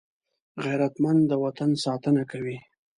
غیرتمند د وطن ساتنه کوي